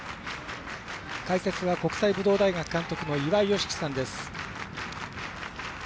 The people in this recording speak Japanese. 解説は国際武道大学監督の岩井美樹さんです。